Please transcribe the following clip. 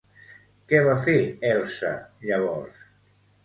Què va fer Elsa, llavors?